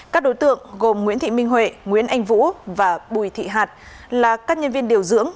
các đối tượng gồm nguyễn thị minh huệ nguyễn anh vũ và bùi thị hạt là các nhân viên điều dưỡng